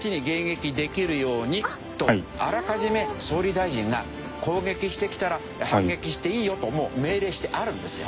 あらかじめ総理大臣が攻撃してきたら反撃していいよともう命令してあるんですよ。